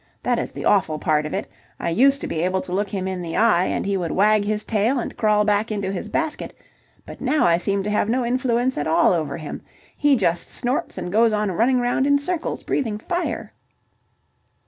That is the awful part of it. I used to be able to look him in the eye, and he would wag his tail and crawl back into his basket, but now I seem to have no influence at all over him. He just snorts and goes on running round in circles, breathing fire."